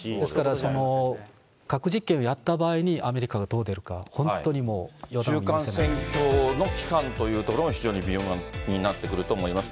ですから、核実験をやった場合に、アメリカがどう出るか、本中間選挙の期間というところも非常に微妙になってくると思います。